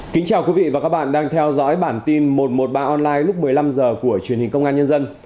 kính chào quý vị và các bạn đang theo dõi bản tin một trăm một mươi ba online lúc một mươi năm h của truyền hình công an nhân dân